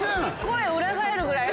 声裏返るぐらい。